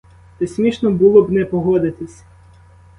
Та й смішно було б не погодитись.